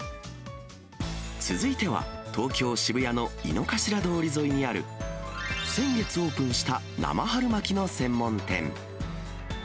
続いては、東京・渋谷の井の頭通り沿いにある、先月オープンした、生春巻きの専門店。